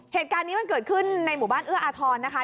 เหตุการณ์นี้มันเกิดขึ้นในหมู่บ้านเอื้ออาทรนะคะ